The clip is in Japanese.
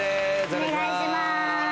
お願いします。